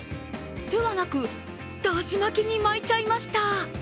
ではなくだし巻きに巻いちゃいました。